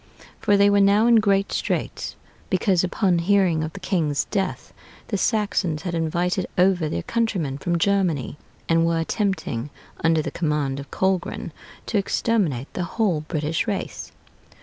For they were now in great straits, because, upon hearing of the king's death, the Saxons had invited over their countrymen from Germany, and were attempting, under the command of Colgrin, to exterminate the whole British race....